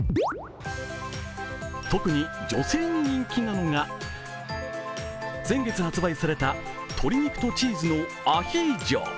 特に女性に人気なのが、先月発売された鶏肉とチーズのアヒージョ。